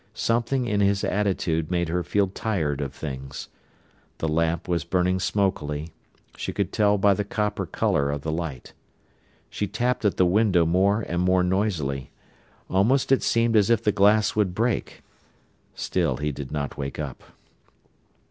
Something in his attitude made her feel tired of things. The lamp was burning smokily; she could tell by the copper colour of the light. She tapped at the window more and more noisily. Almost it seemed as if the glass would break. Still he did not wake up.